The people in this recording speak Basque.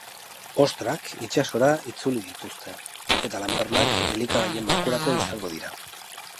Ostrak itsasora itzuli dituzte, eta lanpernak elikagaien bankurako izango dira.